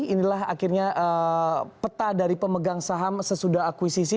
inilah akhirnya peta dari pemegang saham sesudah akuisisi